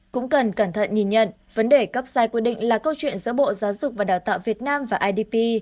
cẩn thận nhìn nhận vấn đề cấp dài quy định là câu chuyện giữa bộ giáo dục và đào tạo việt nam và idp